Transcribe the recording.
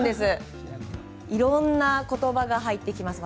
いろんな言葉が入ってきます。